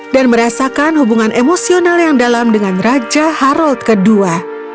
dan merasakan hubungan emosional yang dalam dengan raja harald ii